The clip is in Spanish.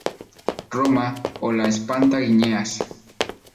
Roma"" o ""la Espanta-cigüeñas"".